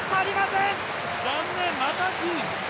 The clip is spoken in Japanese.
残念、また銀。